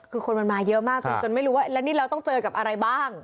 คือคนมันมาเยอะมากจนไม่รู้ว่าแล้วนี่เราต้องเจอกับอะไรบ้าง